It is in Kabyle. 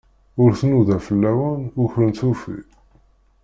Ur tnuda fell-awen, ur ken-tufi.